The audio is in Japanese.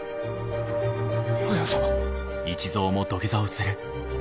綾様。